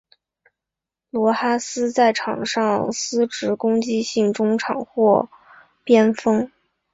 罗哈斯在场上司职攻击型中场或边锋。